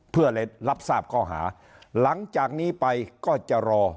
เพื่อรับทราบข้อหาหลังจากนี้ไปก็จะรอ